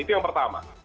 itu yang pertama